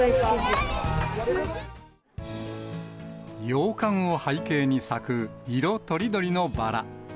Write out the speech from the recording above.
洋館を背景に咲く色とりどりのバラ。